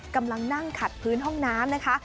กำลังนั่งขัดพื้นห้องน้ำนะคะ